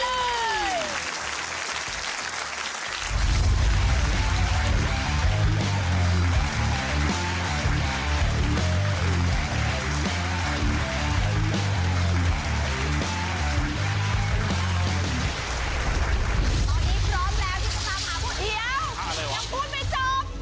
ตอนนี้พร้อมแล้วที่จะตามหาผู้เที่ยวยังพูดไม่จบ